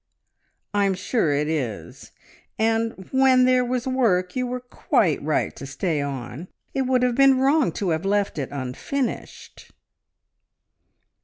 "I'm sure it is. And when there was work you were quite right to stay on. It would have been wrong to have left it unfinished."